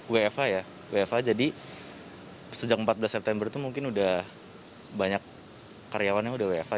wfa ya wfa jadi sejak empat belas september itu mungkin udah banyak karyawannya udah wfa